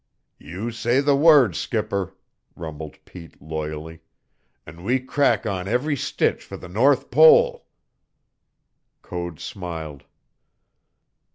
"You say the word, skipper," rumbled Pete loyally, "an' we crack on every stitch fer the north pole!" Code smiled.